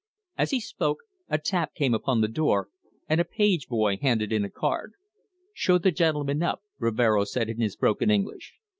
As he spoke a tap came upon the door, and a page boy handed in a card. "Show the gentleman up," Rivero said in his broken English.